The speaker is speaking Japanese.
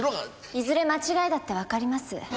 いずれ間違いだってわかります。